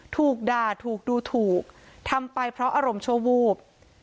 ถูกด่าถูกดูถูกทำไปเพราะอารมณ์ชั่ววูบ